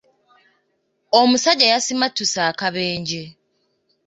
Omusajja yasimattuse akabenje.